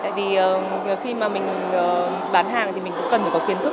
tại vì khi mà mình bán hàng thì mình cũng cần phải có kiến thức